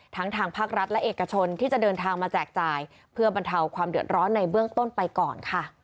ทางภาครัฐและเอกชนที่จะเดินทางมาแจกจ่ายเพื่อบรรเทาความเดือดร้อนในเบื้องต้นไปก่อนค่ะ